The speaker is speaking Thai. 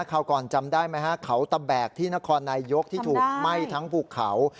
คราวก่อนจำได้ไหมฮะเขาตะแบกที่นครนายยกที่ถูกไหม้ทั้งภูเขา